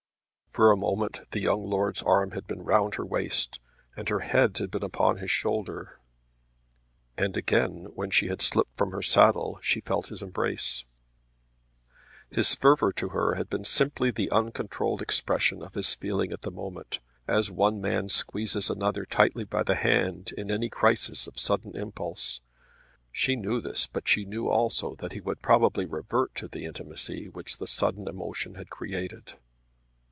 For a moment the young lord's arm had been round her waist and her head had been upon his shoulder. And again when she had slipped from her saddle she had felt his embrace. His fervour to her had been simply the uncontrolled expression of his feeling at the moment, as one man squeezes another tightly by the hand in any crisis of sudden impulse. She knew this; but she knew also that he would probably revert to the intimacy which the sudden emotion had created.